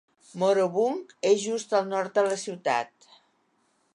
Morobung és just al nord de la ciutat.